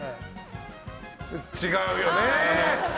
違うよね。